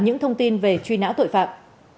những thông tin về truy nã tội phạm